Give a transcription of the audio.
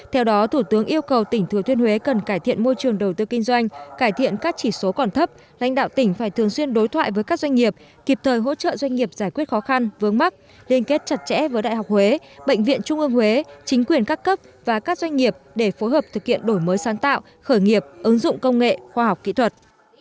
theo đó thủ tướng yêu cầu tỉnh thừa thuyên huế cần cải thiện môi trường đầu tư kinh doanh cải thiện các chỉ số còn thấp lãnh đạo tỉnh phải thường xuyên đối thoại với các doanh nghiệp kịp thời hỗ trợ doanh nghiệp giải quyết khó khăn vướng mắc liên kết chặt chẽ với đại học huế bệnh viện trung ương huế chính quyền các cấp và các doanh nghiệp để phối hợp thực hiện đổi mới sáng tạo khởi nghiệp ứng dụng công nghệ khoa học kỹ thuật